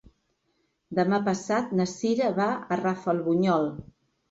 Demà passat na Cira va a Rafelbunyol.